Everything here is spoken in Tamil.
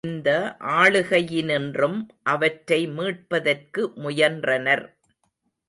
இந்த ஆளுகையினின்றும் அவற்றை மீட்பதற்கு முயன்றனர்.